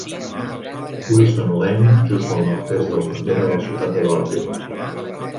Wilson Lane, just al nord-oest de la frontera de la ciutat de Baltimore.